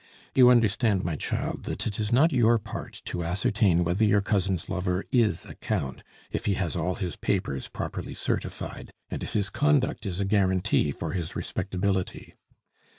"You understand, my child, that it is not your part to ascertain whether your cousin's lover is a Count, if he has all his papers properly certified, and if his conduct is a guarantee for his respectability.